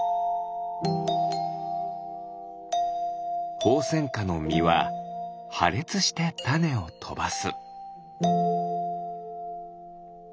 ホウセンカのみははれつしてたねをとばす。